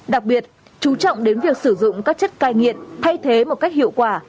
đặc biệt chú trọng đến việc sử dụng các chất cai nghiện thay thế một cách hiệu quả